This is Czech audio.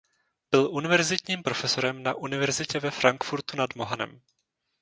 Byl univerzitním profesorem na univerzitě ve Frankfurtu nad Mohanem.